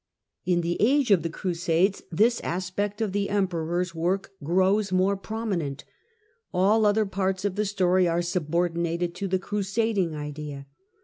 In the age of the Crusades this aspect of the influence of Emperor's work grows more prominent. All other parts of the story are subordinated to the crusading idea.